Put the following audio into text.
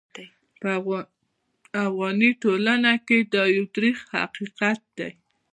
په افغاني ټولنه کې دا یو ترخ حقیقت دی.